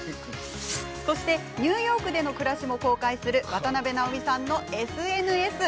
そしてニューヨークでの暮らしも公開する渡辺直美さんのＳＮＳ